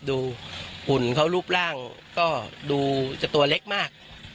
หุ่นเขารูปร่างก็ดูจะตัวเล็กมาก